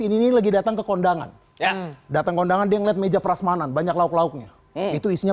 ini lagi datang ke kondangan ya datang kondangan dia ngeliat meja prasmanan banyak lauk lauknya itu isinya